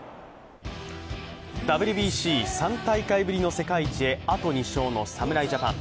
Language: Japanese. ＷＢＣ３大会ぶりの世界一へあと２勝の侍ジャパン。